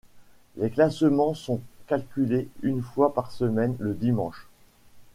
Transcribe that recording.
Les classements sont calculés une fois par semaine le dimanche.